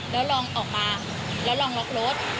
แล้วลองออกมาแล้วลองล็อกรถ